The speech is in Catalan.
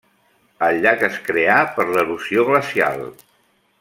El llac es creà per l'erosió glacial.